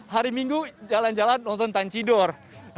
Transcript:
hari minggu jalan jalan nonton tan cidor